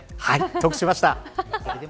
得しました。